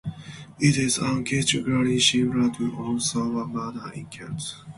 It is architecturally similar to Old Soar Manor in Kent.